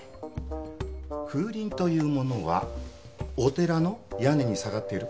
風鈴というものはお寺の屋根に下がっている